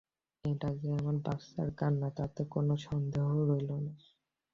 এটা যে আমার বাচ্চার কান্না তাতে কোনও সন্দেহ রইল না।